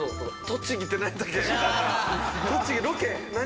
「栃木ロケ？何？